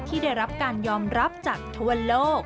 ที่ได้รับการยอมรับจากทั่วโลก